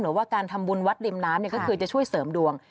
หรือว่าการทำบุญวัดริมน้ำก็คือจะช่วยเสริมดวง